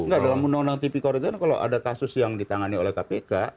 enggak dalam undang undang tipikor itu kan kalau ada kasus yang ditangani oleh kpk